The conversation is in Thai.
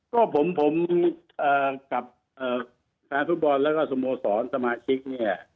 ก็ผมกับแฟนฟุตบอลแล้วก็สโมสรสมาชิกเนี่ย